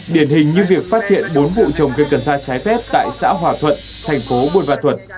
điển hình như việc phát hiện bốn vụ trồng cây cần xa trái phép tại xã hòa thuận thành phố buồn văn thuận